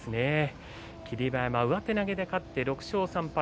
霧馬山が上手投げで勝って６勝３敗。